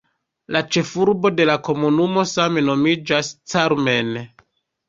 La ĉefurbo de la komunumo same nomiĝas "Carmen".